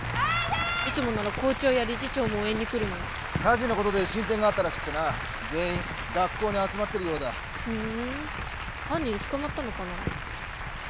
いつもなら校長や理事長も応援に来るのに火事のことで進展があったらしくてな全員学校に集まってるようだふん犯人捕まったのかなあ